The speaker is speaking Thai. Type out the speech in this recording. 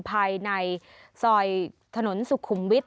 ภายในซอยถนนสุขุมวิทย